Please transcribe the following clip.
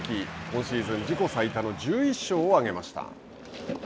今シーズン自己最多の１１勝を挙げました。